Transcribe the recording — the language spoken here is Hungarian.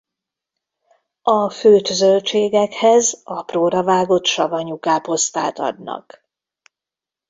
A főtt zöldségekhez apróra vágott savanyú káposztát adnak.